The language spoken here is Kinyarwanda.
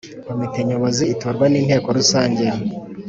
Komite nyobozi itorwa n inteko rusange